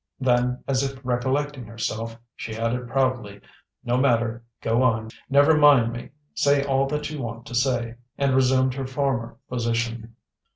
Then, as if recollecting herself, she added, proudly: "No matter. Go on. Never mind me. Say all that you want to say"; and resumed her former position.